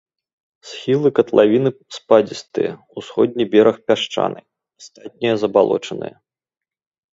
Схілы катлавіны спадзістыя, усходні бераг пясчаны, астатнія забалочаныя.